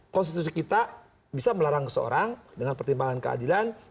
konstitusi kita bisa melarang seseorang dengan pertimbangan keadilan